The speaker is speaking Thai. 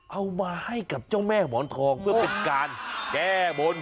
เอามาให้กับเจ้าแม่หมอนทองเพื่อเป็นการแก้บน